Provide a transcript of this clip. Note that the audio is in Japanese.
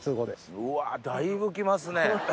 うわだいぶ来ますね。